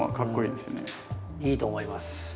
いいと思います。